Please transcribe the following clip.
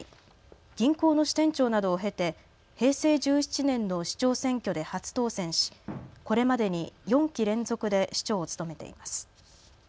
銀行の支店長などを経て平成１７年の市長選挙で初当選しこれまでに４期連続で市長を務めています。